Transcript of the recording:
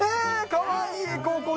かわいい！